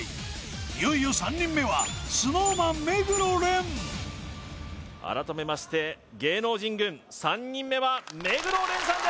いよいよ３人目はＳｎｏｗＭａｎ目黒蓮改めまして芸能人軍３人目は目黒蓮さん